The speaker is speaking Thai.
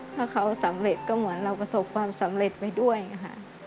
ถ้าเขาสำเร็จก็เหมือนเราประสบความสำเร็จไปด้วยค่ะ